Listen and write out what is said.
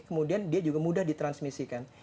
kemudian dia juga mudah ditransmisikan